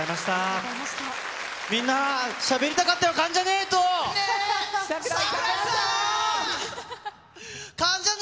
みんな、しゃべりたかったよ、関ジャニ∞！